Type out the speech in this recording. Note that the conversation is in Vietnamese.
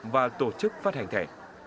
và tổ chức phát hành thẻ